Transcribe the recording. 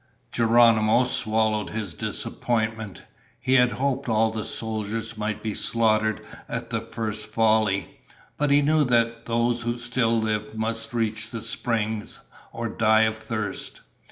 Geronimo swallowed his disappointment. He had hoped all the soldiers might be slaughtered at the first volley. But he knew that those who still lived must reach the springs or die of thirst.